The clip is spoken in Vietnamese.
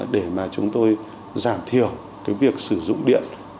để mà chúng tôi giảm thiểu cái việc sử dụng điện